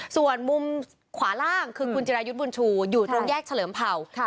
ส่วนมุมขวาล่างคือคุณจิรายุทธ์บุญชูอยู่ตรงแยกเฉลิมเผ่า